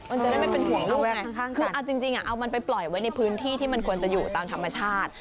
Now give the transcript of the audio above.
มันจะได้ไม่เป็นห่วงลูกไงคือเอาจริงเอามันไปปล่อยไว้ในพื้นที่ที่มันควรจะอยู่ตามธรรมชาติ